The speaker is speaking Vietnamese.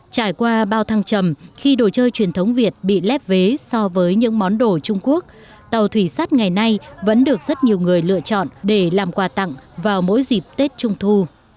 trải qua bao thăng trầm khi đồ chơi truyền thống việt bị lép vế so với những món đồ trung quốc tàu thủy sát ngày nay vẫn được rất nhiều người lựa chọn để làm quà tặng vào mỗi dịp tết trung thu